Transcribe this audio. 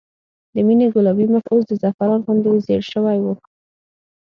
د مينې ګلابي مخ اوس د زعفران غوندې زېړ شوی و